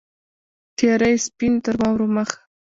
تیاره یې سپین تر واورو مخ